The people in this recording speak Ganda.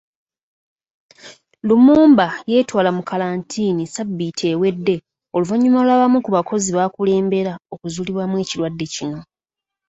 Lumumba yeetwala mu kalantiini ssabbiiti ewedde oluvannyuma lw'abamu ku bakozi b'akulembera okuzuulibwamu ekirwadde kino.